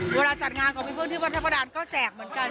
เวลาจัดงานของพี่พึ่งที่วัฒนภรรณก็แจกเหมือนกัน